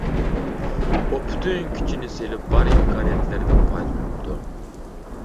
ئۇ پۈتۈن كۈچىنى سېلىپ بار ئىمكانىيەتلەردىن پايدىلىنىپتۇ.